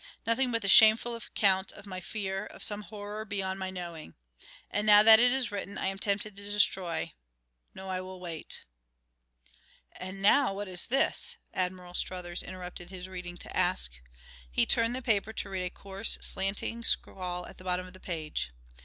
Nothing but the shameful account of my fear of some horror beyond my knowing. And now that it is written I am tempted to destroy No, I will wait " "And now what is this?" Admiral Struthers interrupted his reading to ask. He turned the paper to read a coarse, slanting scrawl at the bottom of the page.